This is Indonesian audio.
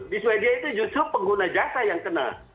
di sweden itu justru pengguna jasa yang kena